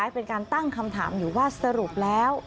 เป็นการตั้งคำถามอยู่ว่าสรุปแล้ว